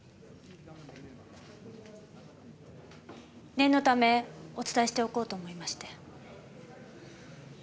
念のためお伝えしておこうと思いまして。